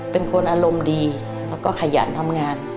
เป็นคนอารมณ์ดีแล้วก็ขยันทำงาน